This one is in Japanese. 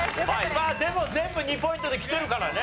まあでも全部２ポイントできてるからね。